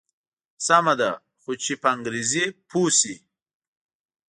سمه ده خو چې په انګریزي پوی شي.